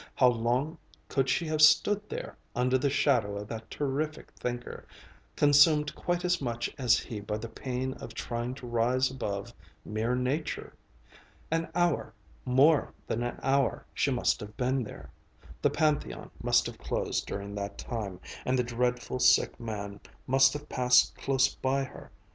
How long could she have stood there, under the shadow of that terrific Thinker, consumed quite as much as he by the pain of trying to rise above mere nature? An hour more than an hour, she must have been there. The Pantheon must have closed during that time, and the dreadful, sick man must have passed close by her.